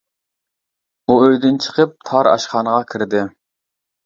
ئۇ ئۆيدىن چىقىپ تار ئاشخانىغا كىردى.